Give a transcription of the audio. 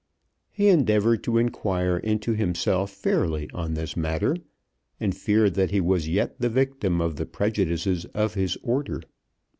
He endeavoured to inquire into himself fairly on this matter, and feared that he was yet the victim of the prejudices of his order.